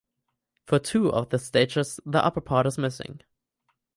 For two of the statues the upper part is missing.